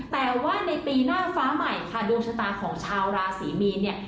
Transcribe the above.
แต่ว่าในปีหน้าฟ้าใหม่ค่ะดวงชะตาของชาวราศรีมีนเนี่ย